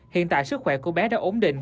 hiện tại sức khỏe của bé đã ổn định